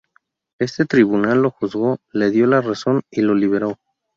Este tribunal lo juzgó, le dio la razón y lo liberó.